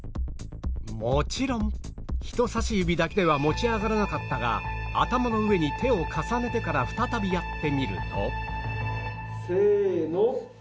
もちろん人差し指だけでは持ち上がらなかったが頭の上に手を重ねてから再びやってみるとせーの。